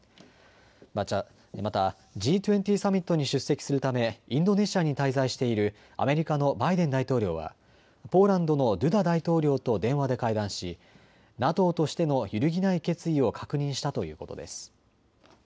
またＧ２０サミットに出席するためインドネシアに滞在しているアメリカのバイデン大統領はポーランドのドゥダ大統領と電話で会談しＮＡＴＯとしての揺るぎない決意を確認したということです。